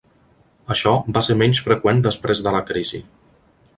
Això va ser menys freqüent després de la crisi.